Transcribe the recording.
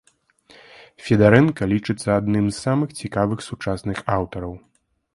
Федарэнка лічыцца адным з самых цікавых сучасных аўтараў.